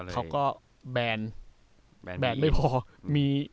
เขาก็แบนไม่พอมี